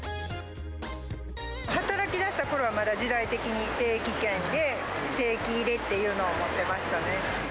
働きだしたころは、まだ時代的に定期券で、定期入れっていうのを持ってましたね。